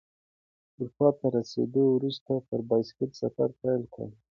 اروپا ته رسیدو وروسته پر بایسکل سفر پیل کړ.